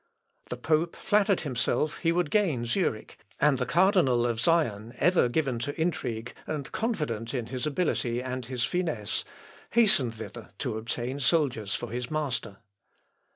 The pope flattered himself he would gain Zurich, and the cardinal of Sion, ever given to intrigue, and confident in his ability and his finesse, hastened thither to obtain soldiers for his master.